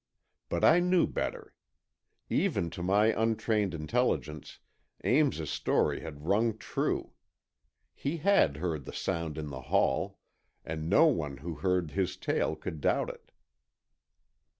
But I knew better. Even to my untrained intelligence, Ames's story had rung true. He had heard the sound in the hall, and no one who heard his tale could doubt it.